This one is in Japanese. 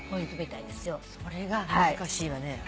それが難しいわね。